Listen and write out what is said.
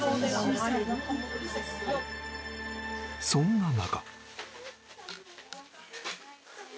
そんな中